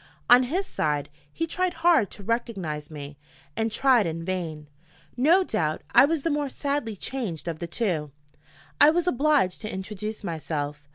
On his side, he tried hard to recognize me, and tried in vain. No doubt I was the more sadly changed of the two: I was obliged to introduce myself.